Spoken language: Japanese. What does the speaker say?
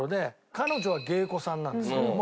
彼女は芸妓さんなんですけども。